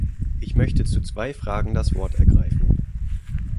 Ich möchte zu zwei Fragen das Wort ergreifen.